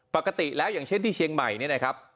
ปกติแล้วอย่างเช่นที่เชียงใหม่เนี่ยนะครับ